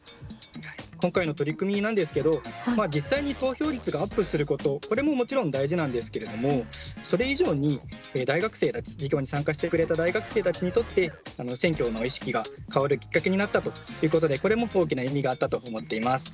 今回の取り組みなんですが実際に投票率がアップすることこれももちろん大事なんですがそれ以上に授業に参加してくれた大学生たちにとって選挙の意識が変わるきっかけになったということでこれも大きな意味があったと思っています。